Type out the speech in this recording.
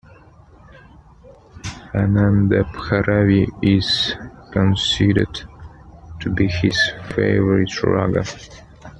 Anandabhairavi is considered to be his favourite raga.